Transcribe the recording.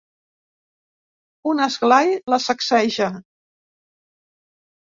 Un esglai la sacseja.